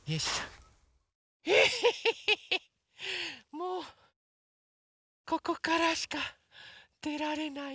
もうここからしかでられない。